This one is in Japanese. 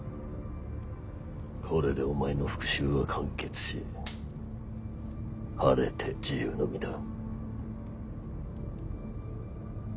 これでお前の復讐は完結し晴れて自由の身だ。